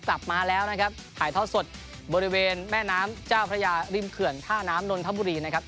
กลับมาแล้วนะครับถ่ายทอดสดบริเวณแม่น้ำเจ้าพระยาริมเขื่อนท่าน้ำนนทบุรีนะครับ